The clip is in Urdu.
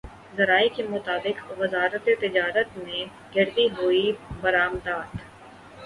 ذرائع کے مطابق وزارت تجارت نے گرتی ہوئی برآمدات